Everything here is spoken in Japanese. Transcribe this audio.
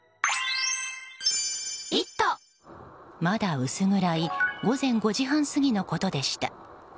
まだ薄暗い午前５時半過ぎのことでした。